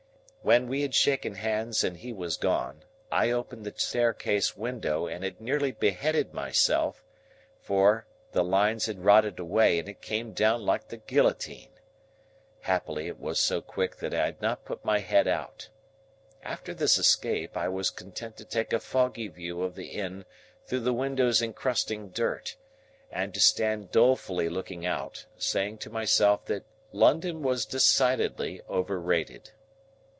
When we had shaken hands and he was gone, I opened the staircase window and had nearly beheaded myself, for, the lines had rotted away, and it came down like the guillotine. Happily it was so quick that I had not put my head out. After this escape, I was content to take a foggy view of the Inn through the window's encrusting dirt, and to stand dolefully looking out, saying to myself that London was decidedly overrated.